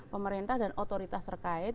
pemerintah dan otoritas terkait